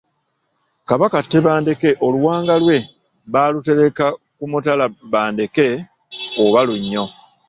Kabaka Tebandeke oluwanga lwe baalutereka ku mutala Bandeke oba Lunnyo.